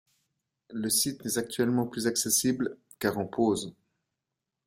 Le site n'est actuellement plus accessible, car en pause.